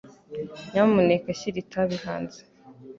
Nyamuneka shyira itabi hanze.